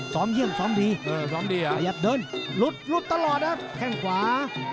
ซ้อมเยี่ยมซ้อมดีสะยัดเดินหลุดตลอดครับแข่งขวา